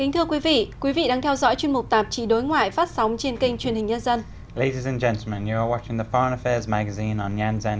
thưa quý vị quý vị đang theo dõi chuyên mục tạp chí đối ngoại phát sóng trên kênh truyền hình nhân dân